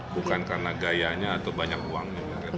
bukan karena gayanya atau banyak uangnya